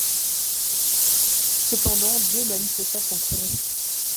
Cependant Dieu manifesta son courroux.